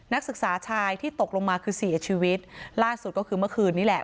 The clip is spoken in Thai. นักศึกษาชายที่ตกลงมาคือเสียชีวิตล่าสุดก็คือเมื่อคืนนี้แหละ